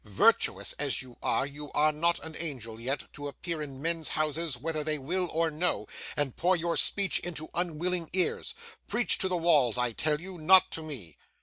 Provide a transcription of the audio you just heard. Virtuous as you are, you are not an angel yet, to appear in men's houses whether they will or no, and pour your speech into unwilling ears. Preach to the walls I tell you; not to me!